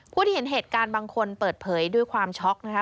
ที่เห็นเหตุการณ์บางคนเปิดเผยด้วยความช็อกนะคะ